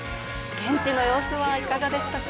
現地の様子はいかがでしたか？